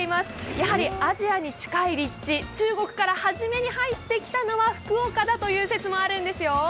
やはりアジアに近い立地、中国から初めに入ってきたのは福岡だという説もあるんですよ。